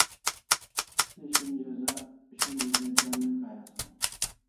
Se shonja za ja ne Kay asaw